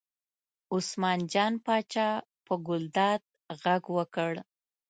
عثمان جان پاچا په ګلداد غږ وکړ.